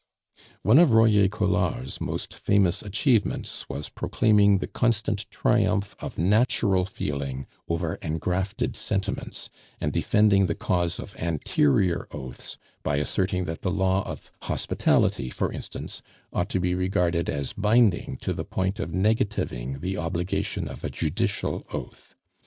One of Royer Collard's most famous achievements was proclaiming the constant triumph of natural feeling over engrafted sentiments, and defending the cause of anterior oaths by asserting that the law of hospitality, for instance, ought to be regarded as binding to the point of negativing the obligation of a judicial oath.